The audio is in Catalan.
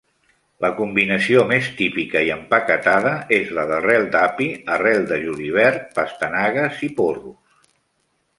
La combinació més típica i empaquetada és la d'arrel d'api, arrel de julivert, pastanagues i porros.